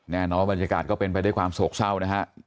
แน่นอนบรรยากาศก็เป็นไปด้วยความโศกเศร้านะฮะ